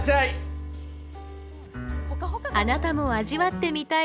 あなたも味わってみたい